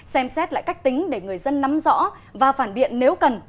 xem xét lại cách tính để người dân nắm rõ và phản biện nếu cần